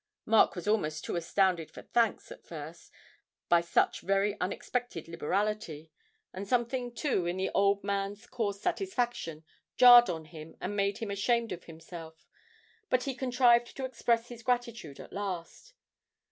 Mark was almost too astounded for thanks at first by such very unexpected liberality, and something, too, in the old man's coarse satisfaction jarred on him and made him ashamed of himself. But he contrived to express his gratitude at last.